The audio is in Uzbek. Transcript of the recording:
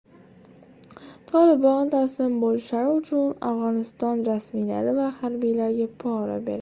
"Tolibon" taslim bo‘lishlari uchun Afg‘oniston rasmiylari va harbiylarga pora bergan